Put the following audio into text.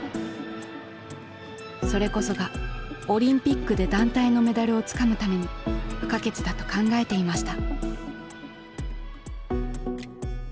それこそがオリンピックで団体のメダルをつかむために不可欠だと考えていました。